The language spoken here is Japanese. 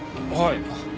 はい。